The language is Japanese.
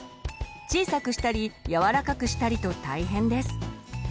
小さくしたり柔らかくしたりと大変です。